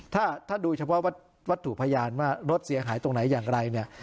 ถ้าถ้าดูเฉพาะวัตถุพยานว่ารถเสียหายตรงไหนอย่างไรเนี่ย